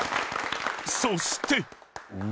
［そして］